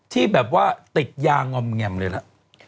ที่แบบว่าติดยางง่ำเลยนะ